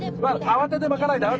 慌てて巻かないで。